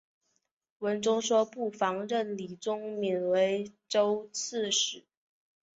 文宗说不妨任李宗闵为州刺史。